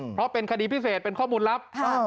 เพราะเป็นคดีพิเศษเป็นข้อมูลลับ